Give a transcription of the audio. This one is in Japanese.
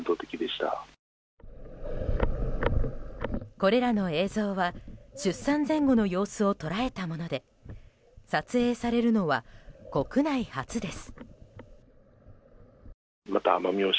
これらの映像は出産前後の様子を捉えたもので撮影されるのは国内初です。